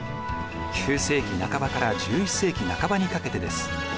９世紀半ばから１１世紀半ばにかけてです。